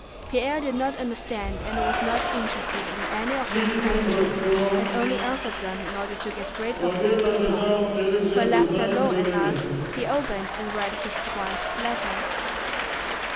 Pierre did not understand and was not interested in any of these questions and only answered them in order to get rid of these people. When left alone at last he opened and read his wife's letter.